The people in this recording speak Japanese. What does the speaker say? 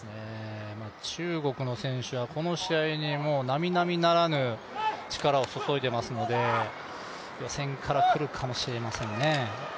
中国の選手はこの試合になみなみならぬ力を注いでいますので予選からくるかもしれませんね。